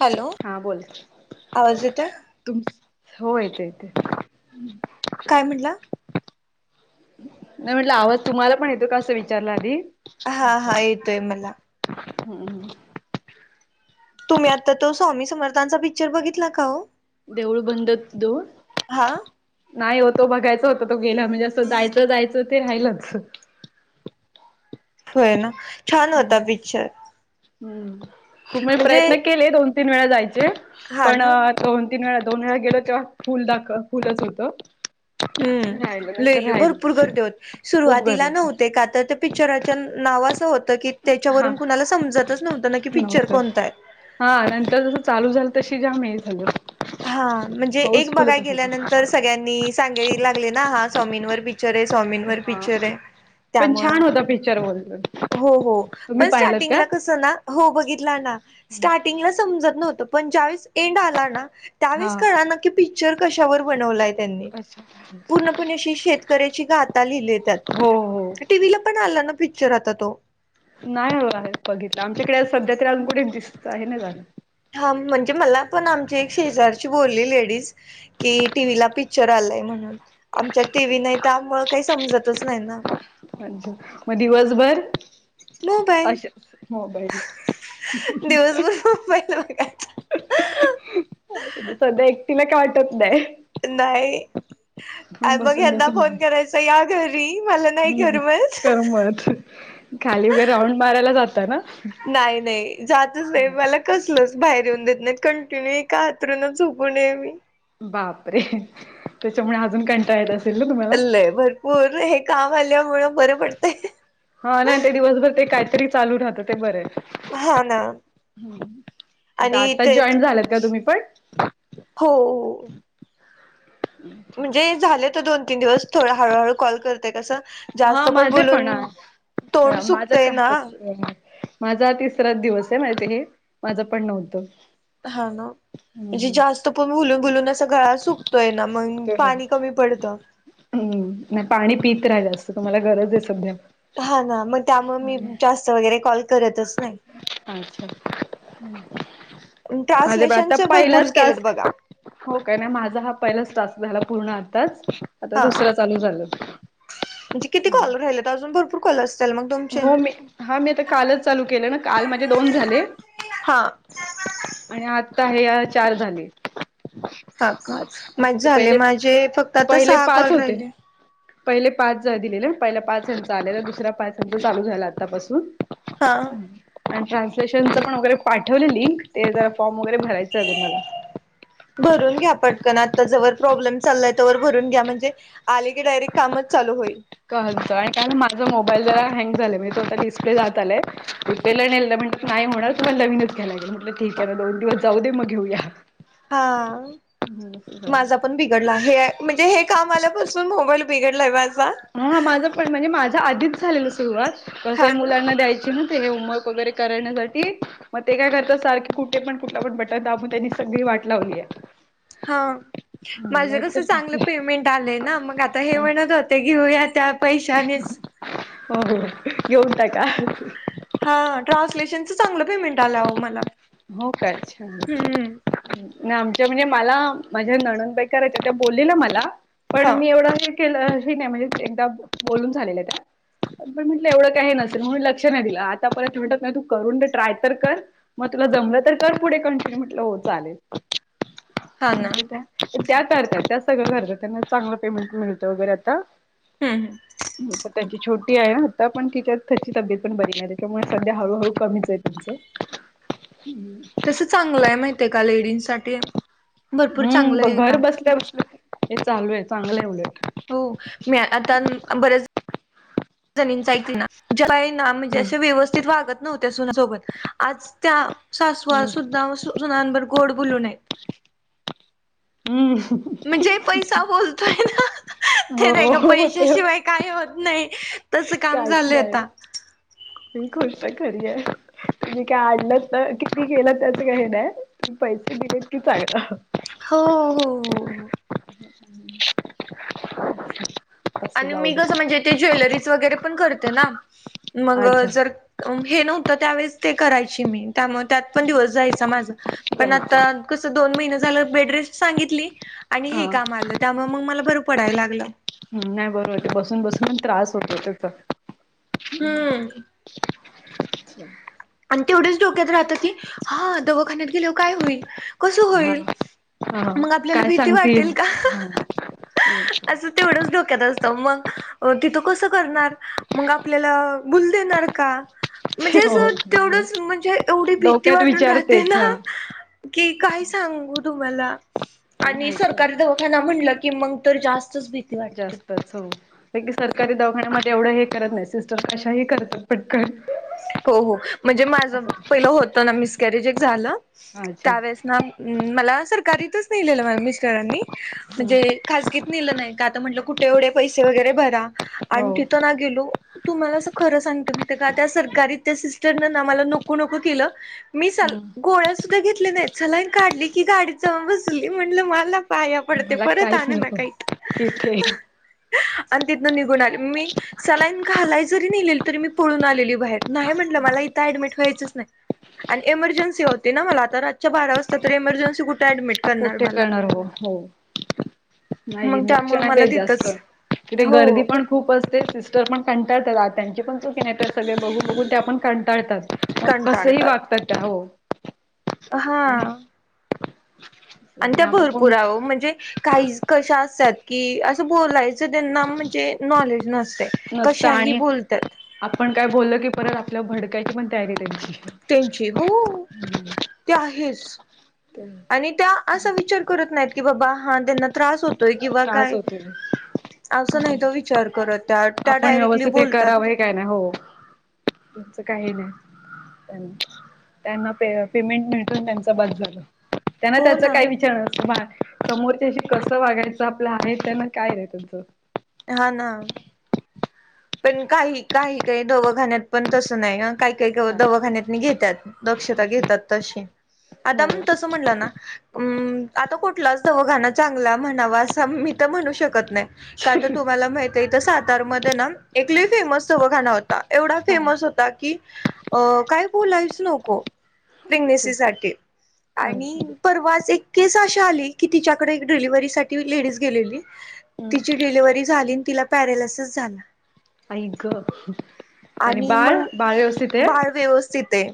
Hello हा बोल आवाज येतोय तुम हो येत येते. काय म्हटला? नाही म्हटलं आवाज तुम्हाला पण येतोय का, असं विचारलं आधी. हा हा येतोय मला. हम्म हम्म. तुम्ही आता तो स्वामी समर्थांचा पिक्चर बघितलं का हो? देऊळ बंद देऊळ हा नाही हो तो बघायच होत तो गेला म्हणजे असं जायचं जायचं ते राहिलंच. होय ना छान हम्म होता पिक्चर. हम्म मी म्हणजे प्रयत्न केले दोन तीन वेळा जायचे हा पण ना तो तीन वेळा दोन वेळा गेलो तेव्हा फुल दाखव फुलचं होतं. राहिलं हम्म लई नंतर लई भरपूर गर्दी राहिलच होते खूप सुरुवातीला गर्दी होती नव्हते का तर ते पिक्चराचा नाव असं होतं की हा त्याच्यावरून कुणाला समजतच नव्हतं ना की पिक्चर नव्हतं कोणता आहे. हा नंतर जसं चालू झालं तशी जाम हे झालं. हा म्हणजे एक हाऊसफुलच बघाय असायची गेल्यानंतर सगळ्यांनी सांगाय लागले ना हा स्वामींवर पी क्चर आहे स्वामींन वर हा पिक्चर आहे. पण त्यामुळं छान होतं पिक्चर बोल्लो. हो हो पण स्टार्टींगला कसं ना हो बघितलं ना स्टार्ट टिंगला समझत नव्हतं पण ज्यावेळेस एन्ड आला ना हा त्यावेळेस कळानं कि पी क्चर कश्यावर बनवलाय त्यांनी अच्छा. पूर्णपणे अशी शेतकऱ्याची गाथा लिहिलेत त्यात. हो हो टीव्हीला पण आला ना पिक्चर आता तो. नाही हो आहे बघितला आमच्याकडे सध्या तरी अजून कुठे दिसतं हे ना झालं. हा अं म्हणजे मला पण आमची एक शेजारची बोलली लेडीज कि टीव्हीला पिक्चर आलय म्हणून आमच्या टीव्ही नाही त्यामुळं काही समजतच नाही ना. म दिवसभर मोबाईल अशेच मोबाईल खूप ही नव्ह काय? सध्या एकटीला काटत नाय. नाही आ मंग बसून ह्यांना बसून बघ फोन करायचा या घरी मला नाही करमत. परत खाली वगैरे राऊंड मारायला जाता ना? नाय-नाय जातच नाही मला कसलच बाहेर येऊन देत नाहीत कंटिन्यू एका आतरणच झोपू नये मी. बापरे! त्याच्यामुळे अजून कंटाळा येत असेल? ना तुम्हाला? लय भरपूर हे काम आल्यामुळे बरं पडतंय हा ना ते दिवसभर ते काहीतरी चालू राहतं ते बरं हा ना आहे. आणि आताच ते जॉईन्ट झाल्यात का तुम्ही पण? हो. म्हणजे झाले तर दोन-तीन दिवस थोडा हळूहळू कॉल करते कसं हा जास्त माझे पण बोलून तोंड हा माझं सुकतय काय ना कसं माझा आज तिसरा दिवस आहे माहिती हे माझं पण नव्हतं. हा ना हम्म म्हणजे हम्म. जास्त पण बोलून बोलून असं गळा सुकतोय ना मंग सुट्टे हा. पाणी कमी पडतं. हम्म नाही पाणी पीत राहायचं तुम्हाला गरज आहे सध्या हा ना म त्यामुळे मी जास्त वगैरे कॉल करतच नाही. अच्छा. अ माझं बी आता ट्रान्सलेशनचे भरपूर पहिलाच केलेत टास्क बघा हो का, नाही माझा हा पहिलाच टास्क झाला पूर्ण आताच. आता हा. दुसरा चालू झालं. म्हणजे किती कॉल राहिल्यात? अजून भरपूर कॉल असतील मग. तुमचे हो मी हा मी ते कालच चालू केलं ना, काल माझे दोन झाले. हा आणि आत्ता हे अ चार झाले. हा का आज असं माझे तर झाले पहिले माझे फक्त आता पहिले सहा पाच कॉल होते. राहिले पहिले पाच दिलेलं पहिला पाच ह्यांचा आलेला दुसरा पाच चालू झाला आत्तापासून. हा. आणि ट्रान्सलेशनच पण वगैरे पाठवले लिंक, ते जरा फॉर्म वगैरे भरायचं अजून मला. भरून घ्या पटकन, आता जवर प्रॉब्लेम चाललाय तवर भरून घ्या म्हणजे आले की डायरेक्ट कामच चालू होईल. [unintelligible] काय काय नाही माझा मोबाईल जरा हँग झालाय. म्हणजे तो आता डिस्प्ले जात आलाय. रिपेला नेलं म्हटलं नाही [unintelligible] मग नवीनच घ्याय लागेल, म्हटलं ठीक आहे ना, दोन दिवस जाऊ दे मग घेऊया. हा. [unintelligible] माझा पण बिघडला आहे. म्हणजे हे काम आल्यापासून मोबाईल बिघडलाय माझा. हा हा माझंपण म्हणजे माझा आधीच झालेलं सुरुवात. कसंय हा ना मुलांना द्यायची ना. ते होमवर्क वगैरे करण्यासाठी. मग ते काय करतात, सारखी कुठेपण कुठलपण बटन दाबून त्यांनी सगळी वाट लावल्या. हा माझ कसं चांगलं पेमेंट आलय ना. मग आता हे आहे. म्हणत होते, घेऊया त्या पैशानेच. हो हो, घेऊन टाका. हा ट्रान्सलेशनचं चांगलं पेमेंट आलंं आओ मला. हो काय, छान. हम्म नाही आमच्या म्हणजे मला माझ्या ननंद बाई करायच्या, त्या बोललेल्या मला पण हो मी एवढं हे केलं हे नाही. म्हणजे एकदा बोलून झालेल्या त्या. पण म्हटलं एवढं काही नसेल, म्हणून लक्ष नाही दिलं. आता परत म्हटत नाही तू करून घे ट्राय तर कर. मग तुला जमलं तर कर पुढे कंटिन्यू, म्हटलं हो चालेल. हा ना म्हणजे काय? त्या करत्यात, त्या सगळं करत्यात. त्यांना चांगलं पेमेंट मिळतं वगैरे आता. हम्म हम्म. मूलपण त्यांची छोटी आहे, आता पण तिच्यात त्याची तब्येतपण बरी न्हाय. त्याच्यामुळे सध्या हळूहळू कमीच आहे [unintelligible] [unintelligible] हम्म. तस चांगलं आहे माहित आहे का, लेडीजसाठी भरपूर चांगलं हम्म हाय हे काम. [inaudible] हे चालू आहे, चांगलंय उलट. हो. मी आता बरेच जणींच ऐकणार. ज्याला हाय ना म्हणजे हम्म असे व्यवस्थित वागत नव्हत्या सुनासोबत. आज त्या सासवा हम्म सुद्धा सुनांबरोबर गोड बोलून हायत. अं. म्हणजे पैसा बोलतोय ना. ते नाही का हो ते पैशाशिवाय काय होत नाही. तसं काम काहीच झालंय नाही आता. ही गोष्ट खरी हाय. मग काढलं तर, किती केलं त्याच काही नाही. पैसे दिले की चांगलं. हो हो हो हो. असं आणि जाऊ मी दे कसं म्हणजे ते ज्वेलरचं वगैरे पण करते ना. मग अच्छा जर हे नव्हतं त्यावेेळेस ते करायची मी, त्यामुळे त्यात पण दिवस जायचा माझा. पण जायचं आता कसं दोन महिन झालं बेडरेस्ट सांगितली आणि हा हे काम आलं, त्यामुळे मग मला बर पडाय लागलं. नाही बरोबर हाय, ते बसून बसून पण त्रास होतो त्याचा. हम्म. आणि तेवढ्याच डोक्यात राहत की, हा दवाखान्यात गेल्यावर काय होईल? कसं हा होईल, हा मग आपल्याला भीती वाटेल का? हं. असं तेवढंच डोक्यात असतं मग अ तिथं कसं करणार? मग आपल्याला भूल देणार का? म्हणजे हो असं तेवढच म्हणजे एवढी भीती डोक्यात वाटून राहते विचारतेच ना हा की काय सांगू तुम्हाला आणि नाही पण सरकारी दवाखाना म्हटलं की मग तर जास्तच [unintelligible] जास्त. हो एक वेळेस सरकारी दवाखान्यामध्ये एवढं हे करत नाही, सिस्टर कशाही करतात पटकन. हो हो म्हणजे माझ असं पहिलं होत ना, मिसकॅरेज एक झालं. अच्छा त्यावेळेस ना मला सरकारीतच नेलेलं माझ्या मिस्टरांनी, हम्म म्हणजे खाजगीत नेलं नाही. का तर म्हंटलं कुठे एवढे पैसे वगैरे भरा हो आणि तिथं ना गेलो तुम्हाला असं खरं सांगते. मग का त्या सरकारीत त्या सिस्टरनं ना, मला नको नको केलं. मी सल हम्म गोळ्या सुद्धा घेतल्या नाहीत. सलाईन काढली की गाडीत जाऊन बसली. म्हणलं मला पाया पडते, मला परत काहीच आणू नको नका इथं. तिथे आणि तिथनं निघून आले. मी सलाईन घालाय जरी मेलेला, तरी मी पळून आलेली. मी बाहेर नाही म्हटलं, मला इथ ऍडमिट व्हायचच नाही. आणि एमर्जन्सी होती ना मला, आता रातच्या बारा वाजता तर इमर्जन्सी कुठे ऍडमिट कुठे करणार हो, हो. नाही मग लक्ष त्यामुळे नाही मला देत जास्त. तिथंच तिथे हो गर्दी पण खूप असते, सिस्टरपण कंटाळतात. त्यांचीपण खूप नाहीतर सगळे बघून बघून ते आपण कंटाळतात. मग कसंही कंटाळतात वागत्यात त्या हो. आणि हा. आणि त्या आपण कोण भरपूर आओ म्हणजे काहीच कशा असतात की, असं बोलायचं त्यांना म्हणजे नॉलेज नसतंय. नसतं आणि आपण काय बोललं की परत आपल्यावर भडकायची पण तयारी त्यांची. त्यांची हो, ते आहेच. त्रास आणि त्या असा विचार करत नाहीत, की बाबा हा त्यांना त्रास हो तोय किंवा काय होतोय. असं नाहीत ओ विचार करत त्यात. आपण व्यवस्थित हे करावं, हे काय नाही. हो तुमचं काही नाही. त्यांन त्यांना पेमेंट मिळतो ना त्यांचा बास झालं. त्यांना हो त्याचं ना काय विचार नसतं. मा समोरच्याशी कसं वागायचं? आपलं हाय त्यांना काय नाय तुमचं. हा ना. पण काही काही काही दवखाण्यात पण तसं नाही ना. काही काही नाही दवाखान्यातनी घेत्यात, दक्षता घेतात तशी. आता हो मग तसं म्हटलं ना अं आता कुठलाच दवाखाना चांगला म्हणावा, असा मी तर म्हणू शकत नाही. का तर तुम्हाला माहित आहे, सातारमध्ये ना एक लय फेमस दवाखाना होता. एवढा हा फेमस होता की, अ काय बोलायच नको. चल. प्रेग्नेसीसाठी आणि हम्म परवाच एक केस अशी आली, की तिच्याकडे एक डिलिव्हरीसाठी लेडीज गेलेली. तिची डिलिव्ही झाली आणि तिला पॅरलसिस झाला. आई ग आणि बाळ, बाळ व्यवस्थित आहे? बाळ व्यवस्थित आहे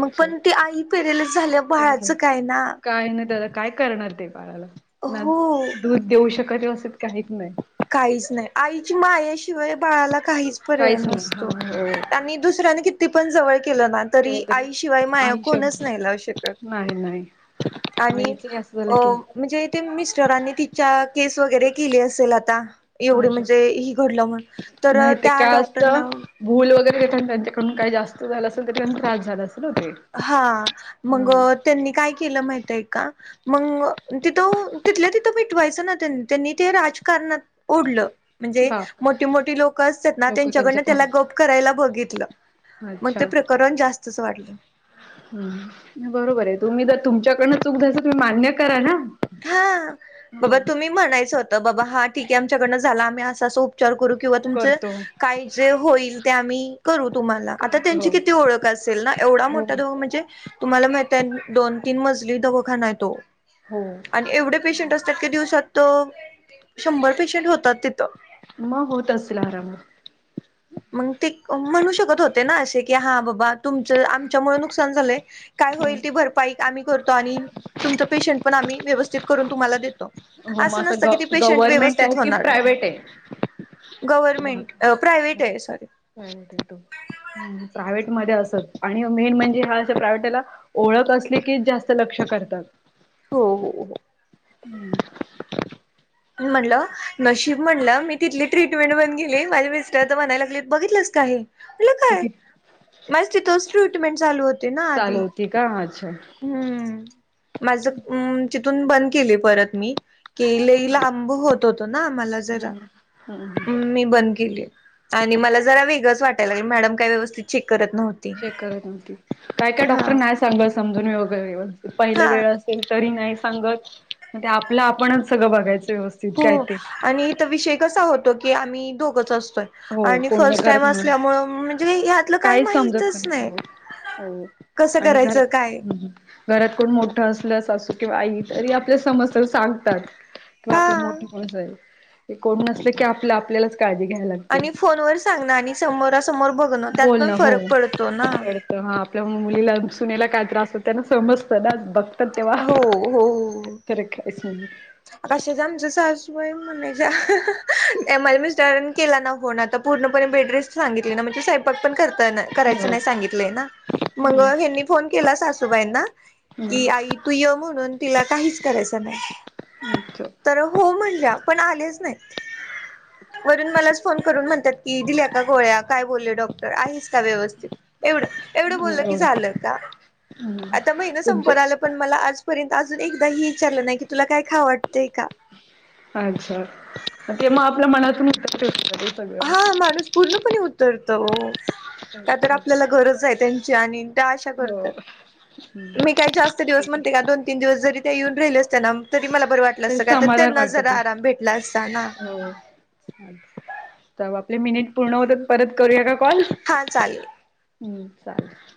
मग अच्छा पण ती आई पॅरालिसिस झाल्याव खरंच आहे. बाळाचं काय ना. काय नाही त्याला, काय करणार ते बाळाला? ना हो दूध देऊ शकत व्यवस्थित काहीच नाही. काहीच नाही, आईची मायाशिवाय बाळाला काहीच पर्याय नाही नसतो. हा आणि दुसऱ्यानी कितीपण जवळ केलं ना, तरी आई शिवाय माया आई कोणच शब्द नाही लावू शकत. नाही नाही. आणि आईचे असं झालं अ की म्हणजे ते मिस्टरांनी तिच्या केस वगैरे केली असेल आता? एवढं अच्छा म्हणजे ही घडलं म्हण, तर नाही ते त्या काय असतं डॉक्टरनं भूल वगैरे देताना त्यांच्याकडून काही जास्त झालं असेल, तर त्यांना त्रास झाला असेल ना ते. हा मग हम्म त्यांनी काय केलं माहितय काय? मग तिथं तिथल्या तिथं मिटवायचं ना, त्यांनी त्यांनी ते राजकारणात उडलं म्हणजे बाप मोठी-मोठी लोक असतात ना लोक त्यांच्याकडनं त्यांच्यात त्याला हा गप करायला बघितलं. मग अच्छा ते प्रकरण जास्तच वाढलं. बरोबर आहे तुम्ही तुमच्याकडनं दर चुक झायस तुम्ही मान्य करा ना. हा बाबा हा तुम्ही म्हणायचं होतं बाबा हा ठीक आहे आमच्याकडनं झाला आम्ही असा सो उपचार करू किंवा तुमचं करतो काय जे होईल ते आम्ही करू तुम्हाला आता करतो त्यांची किती हो ओळख असेल ना एवढा मो ता हो. दो म्हणजे तुम्हाला माहितय दोन तीन मजली दवखाना हाय तो. हो. आणि एवढे पेशंट असतात की दिवसात तो शंभर पेशंट होतात तिथं. म होत असेल आरामात. मग ते म्हणू शकत होते ना अशे की हा बाबा तुमचं आमच्यामुळे नुकसान झालंय. काय होईल ती आरामात भरपाई आम्ही करतो आणि तुमचं पेशंट पण आम्ही व्यवस्थित करून तुम्हाला देतो. हो मग असं नसतं की ती ग पेशंट गव्हर्मेंट आहे व्यवस्थित की होणार नाही. प्रायव्हेट आहे गवर्नमेंट प्राइवेट आहे सॉरी. [inaudible] प्रायव्हेट मध्ये असच आणि मेन म्हणजे ह्या प्रायव्हेटला ओळख असली की जास्त लक्ष करतात. हो हो हो. हम्म. म्हणलं नशीब म्हणलं मी तीथली ट्रीटमेंट बंद केली माझे मिस्टर तर म्हणाय लागले बघितलंस का हे मला काय ती माझं तिथच ट्रीटमेंट चालू होत चालू होती का माच्छ? हम्म माझं अम तिथून बंद केले परत मी की लई ला बघू होत होतो ना मला जरा हम्म मी बंद केली आणि मला जरा वेगळच वाटय लागलं मॅडम काय व्यवस्थित चेक करत नव्ह चेक करत नव्हती काय काय डॉक्टर नाही सांगा समजून वगैरे पहिला हा. वेळस तेन तरी नाही सांगत म ते आपलं आपणच सगळं बघायच व्यवस्थ हो आणि इथं विषय कसा होतो की आम्ही दोघच असतोय. हो आणि कोण नाही फर्स्ट टाईम करत म्हणून असल्यामुळे म्हणजे काही या काही समजत पण हो हो कसं आणि करायचं काय घरं घरात कोण मोठं असलं सासू किंवा आई तरी आपल्या समस्या सांगतात. किंवा हा आपलं मोठे होऊन जाईल कोण ते नसले की आपल्या आपल्यालाच काळजी घ्यायला लाग आणि फोन वर सांगण आणि समोरासमोर बघणं त्यात पण फरक पडतो ना. तर हा आपल्या मुलीला सुनेला काय त्रास होत त्यांना समजतं ना बघ पण तेव्हा. हो [unintelligible] [unintelligible] आमचे सासू बाई म्हणच्या ए माझ्या मिस्टरानी केला ना फोन आता पूर्णपणे बेडरेस्ट सांगितली ना म्हणे सा पण करता ना करायच हो नाही सांगितलं ना मग ह्यांनी फोन केला सासूबाईंना कि हम्म आई तू ये म्हणून तिला काहीच करायच नाय. अच्छा तर हो म्हणल्या पण आलेच नाहीत. वरून मलाच फोन करून म्हणतात की दिल्या का गोळ्या काय बोलले डॉक् आहेस का व्यवस्थित एवढं एवढं बोललं की एवढंच झालं का? आता महिना तुमच्या संपत आला पण मला आजपर्यंत अजून एकदा ह विचारलं नाही की तुला काय खा वाटतंय का. अच्छा ते मग आपल्या मनातून. [unintelligible] हा माणूस पूर्णपणे उतरतो. काय तर आपल्याला गरज आहे त्यांची आणि त्या अशा करतात. हो. हम्म मी काही जास्त दिवस ठीक आहे म्हणते का दोन तीन दिवस जरी त्या येऊन राहिले असते ना तरी मला बरं वाटलं तर असतं, का आता समाधान त्यांनाच वाटत जरा ते. आराम भेटला असता ना. हो तर मग आपले मिनिट पूर्ण होतात, परत करूया का कॉल? हा चालेल. हम्म चालेल.